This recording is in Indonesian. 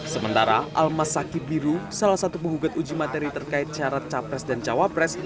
sementara almas saki biru salah satu penggugat uji materi terkait syarat capres dan cawapres